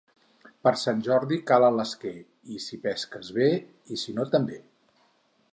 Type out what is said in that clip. Per Sant Jordi cala l'esquer, i si pesques, bé, i si no, també.